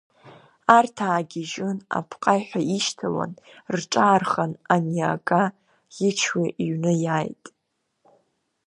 Арҭ аагьыжьын, апҟаҩ ҳәа ишьҭалан рҿаархан, ани ага ӷьычҩы иҩны иааит.